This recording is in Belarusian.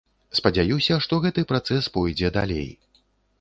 Спадзяюся, што гэты працэс пойдзе далей.